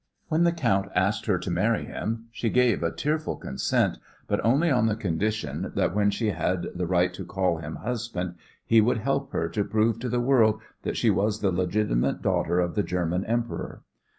When the count asked her to marry him she gave a tearful consent, but only on the condition that when she had the right to call him husband he would help her to prove to the world that she was the legitimate daughter of the German Emperor.